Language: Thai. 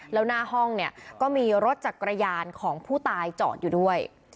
แล้วหน้าห้องเนี่ยก็มีรถจักรยานของผู้ตายจอดอยู่ด้วย